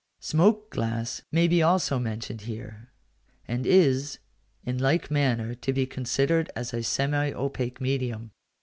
Smoked glass may be also mentioned here, and is, in like manner, to be considered as a semi opaque medium.